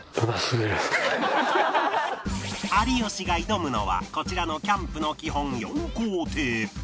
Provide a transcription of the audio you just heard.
有吉が挑むのはこちらのキャンプの基本４工程